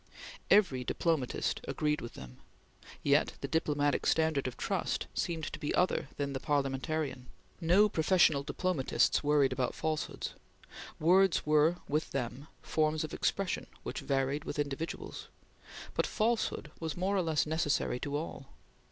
Every diplomatist agreed with them, yet the diplomatic standard of trust seemed to be other than the parliamentarian. No professional diplomatists worried about falsehoods. Words were with them forms of expression which varied with individuals, but falsehood was more or less necessary to all.